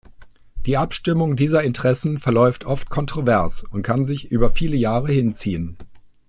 Die Abstimmung dieser Interessen verläuft oft kontrovers und kann sich über viele Jahre hinziehen.